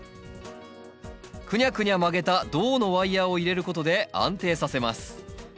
くにゃくにゃ曲げた銅のワイヤーを入れることで安定させます